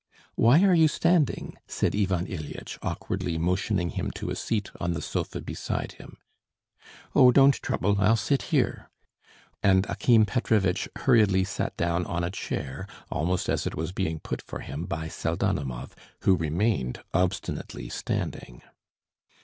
"Why are you standing?" said Ivan Ilyitch, awkwardly motioning him to a seat on the sofa beside him. "Oh, don't trouble.... I'll sit here." And Akim Petrovitch hurriedly sat down on a chair, almost as it was being put for him by Pseldonimov, who remained obstinately standing.